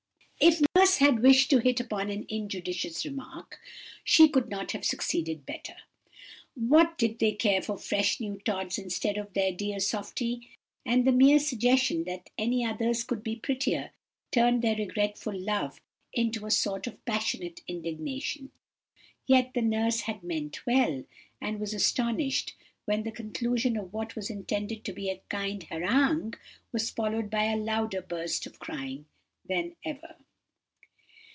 "If nurse had wished to hit upon an injudicious remark, she could not have succeeded better. What did they care for 'fresh new' Tods instead of their dear 'Softy?' And the mere suggestion that any others could be prettier, turned their regretful love into a sort of passionate indignation; yet the nurse had meant well, and was astonished when the conclusion of what was intended to be a kind harangue, was followed by a louder burst of crying than ever.